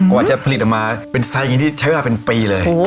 ว่าจะผลิตออกมาเป็นไซส์อย่างนี้ที่ใช้เวลาเป็นปีเลย